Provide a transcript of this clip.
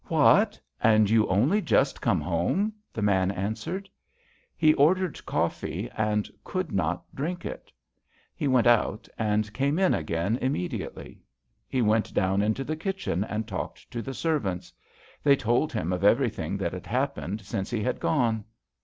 " What ! and you only just come home?" the man answered. He ordered coffee and could not drink it. He went out and came in again immediately. He went down into the kitchen and talked to the servants. They told him of everything that had happened since he had gone.